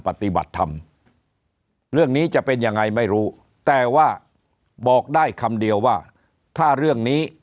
ปฏิบัติธรรมเรื่องนี้จะเป็นยังไงไม่รู้แต่ว่าบอกได้คำเดียวว่าถ้าเรื่องนี้